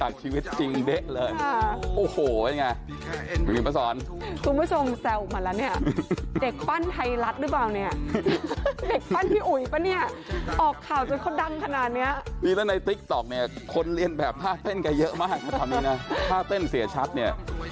ก็คือเสียทัศน์สายเปย์